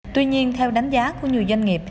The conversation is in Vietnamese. tuy nhiên theo đánh giá của nhiều doanh nghiệp